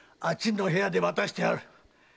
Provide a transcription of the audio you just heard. あっちの部屋で待たせてある。